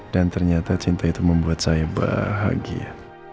dan ternyata cinta itu membuat saya bahagia